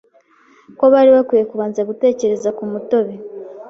ko bari bakwiye kubanza gutekereza ku mutobe